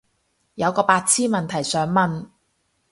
有個白癡問題想問